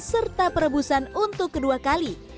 serta perebusan untuk kedua kali